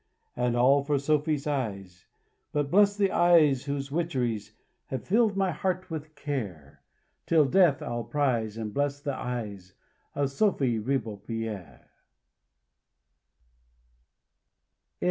And all for Sophy's eyes. But bless the eyes, whose witcheries Have filled my heart with care; Till Death I'll prize and bless the eyes Of Sophy Ribeaupierre.